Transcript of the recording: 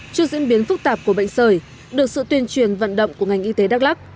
trước diễn biến phức tạp của bệnh sởi được sự tuyên truyền vận động của ngành y tế đắk lắc